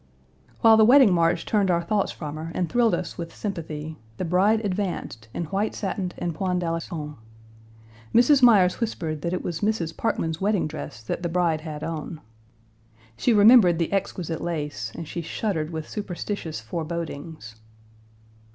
While the wedding march turned our thoughts from her and thrilled us with sympathy, the bride advanced in white satin and point d'Alençon. Mrs. Myers whispered that it was Mrs. Parkman's wedding dress that the bride had on. Page 236 She remembered the exquisite lace, and she shuddered with superstitious forebodings.